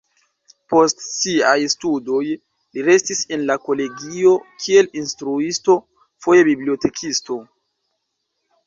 Post siaj studoj li restis en la kolegio kiel instruisto, foje bibliotekisto.